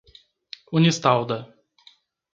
Unistalda